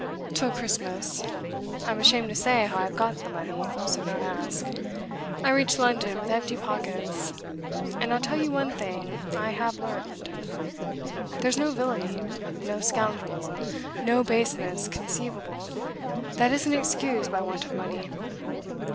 'Till Christmas. I'm ashamed to say how I've got the money, so don't ask. I reached London with empty pockets. And I'll tell you one thing I have learnt, Munden. There's no villainy, no scoundrelism, no baseness conceivable, that isn't excused by want of money.